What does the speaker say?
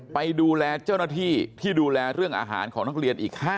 ไปดูแลเจ้าหน้าที่ที่ดูแลเรื่องอาหารของนักเรียนอีก๕๐